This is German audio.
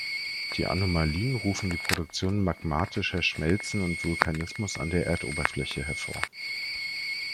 Die Anomalien rufen die Produktion magmatischer Schmelzen und Vulkanismus an der Erdoberfläche hervor.